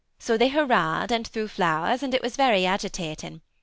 So they hurraed and threw flowers, and it was very agitating.